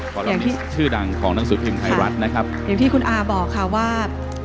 กรณีชื่อดังของหนังสือพิมพ์ไทยรัฐนะครับอย่างที่คุณอาบอกค่ะว่า